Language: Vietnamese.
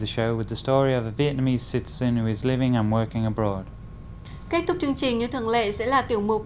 kết thúc chương trình như thường lệ sẽ là tiểu mục